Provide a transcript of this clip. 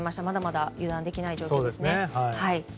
まだまだ油断できない状況ですね。